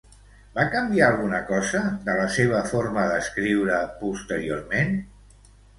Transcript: Va canviar alguna cosa de la seva forma d'escriure posteriorment?